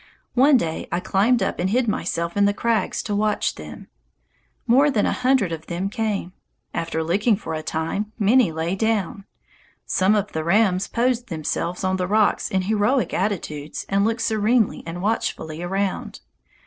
One day I climbed up and hid myself in the crags to watch them. More than a hundred of them came. After licking for a time, many lay down. Some of the rams posed themselves on the rocks in heroic attitudes and looked serenely and watchfully around.